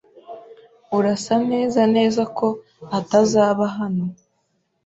Urasa neza neza ko atazaba hano.